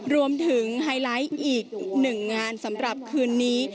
ไฮไลท์อีกหนึ่งงานสำหรับคืนนี้